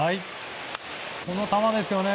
この球ですね。